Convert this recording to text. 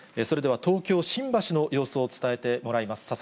それでは、東京・新橋の様子を伝えてもらいます。